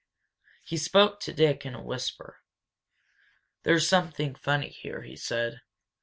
He spoke to Dick: in a whisper. "There's something funny here," he said.